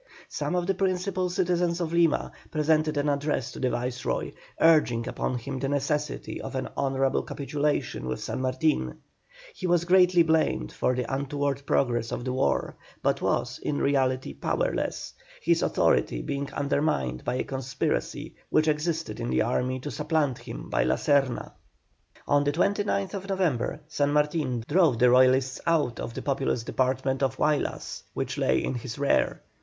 Some of the principal citizens of Lima presented an address to the Viceroy, urging upon him the necessity of an honourable capitulation with San Martin. He was generally blamed for the untoward progress of the war, but was, in reality, powerless, his authority being undermined by a conspiracy which existed in the army to supplant him by La Serna. On the 29th November San Martin drove the Royalists out of the populous department of Huaylas, which lay in his rear.